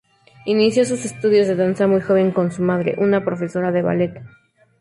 Inició sus estudios de danza muy joven con su madre, una profesora de ballet.